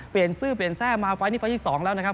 เปลี่ยนชื่อเปลี่ยนแทร่มาไฟล์นี้ไฟล์ที่๒แล้วนะครับ